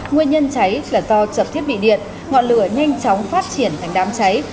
nguyên nhân cháy là do chập thiết bị điện ngọn lửa nhanh chóng phát triển thành đám cháy